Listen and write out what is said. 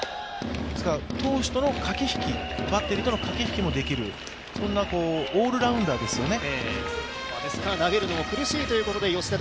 投手との駆け引き、バッテリーとの駆け引きもできる、オールラウンダーですよね。